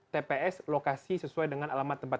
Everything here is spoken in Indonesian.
tps lokasi sesuai dengan alamat tempat